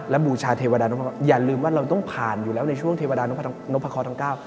และบูชาเทวดานพระเคาะทั้ง๙อย่าลืมว่าเราต้องผ่านอยู่แล้วในช่วงเทวดานพระเคาะทั้ง๙